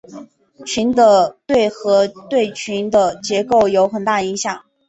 群的对合对群的结构有很大影响。